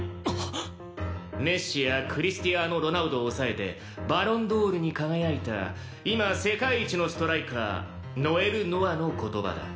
メッシやクリスティアーノ・ロナウドを抑えてバロンドールに輝いた今世界一のストライカーノエル・ノアの言葉だ。